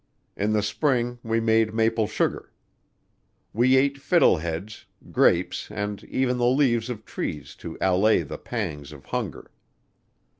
In the spring we made maple sugar. We ate fiddle heads, grapes and even the leaves of trees to allay the pangs of hunger.